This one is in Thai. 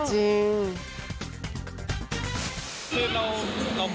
จริง